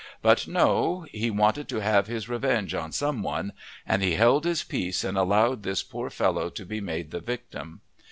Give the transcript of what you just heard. But no, he wanted to have his revenge on some one, and he held his peace and allowed this poor fellow to be made the victim.